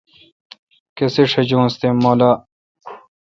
کسے شجونس تے مہ لاء۔